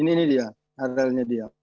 ini ini dia arealnya dia